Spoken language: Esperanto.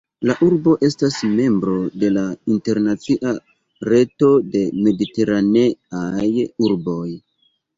La urbo estas membro de la internacia "reto de mediteraneaj urboj".